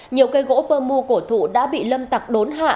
nhiều cây gỗ pơ mu cổ thụ đã bị lâm tặc đốn hạ